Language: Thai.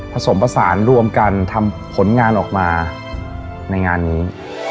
ผสมผสานรวมกันทำผลงานออกมาในงานนี้